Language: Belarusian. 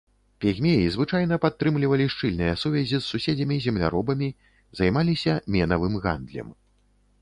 Пігмеі звычайна падтрымлівалі шчыльныя сувязі з суседзямі-земляробамі, займаліся менавым гандлем.